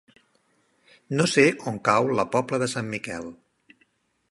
No sé on cau la Pobla de Sant Miquel.